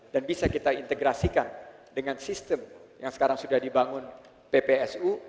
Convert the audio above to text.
dan bisa kita integrasikan dengan sistem yang sekarang sudah dibangun ppsu